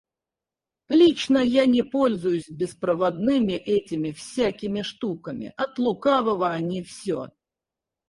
Лично я не пользуюсь беспроводными этими всякими штуками. От лукавого они все.